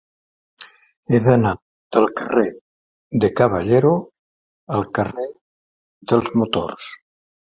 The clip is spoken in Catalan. He d'anar del carrer de Caballero al carrer dels Motors.